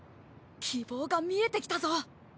希望が見えてきたぞ。